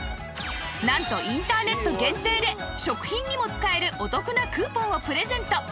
なんとインターネット限定で食品にも使えるお得なクーポンをプレゼント